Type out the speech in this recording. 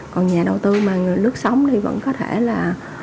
còn nhà đầu tư mà nước sống thì vẫn có thể là